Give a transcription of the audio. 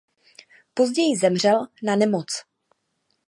Později zemřel na nemoc.